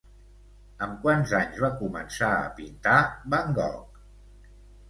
Amb quants anys va començar a pintar van Gogh?